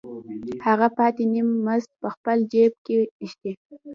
هغه پاتې نیم مزد په خپل جېب کې ږدي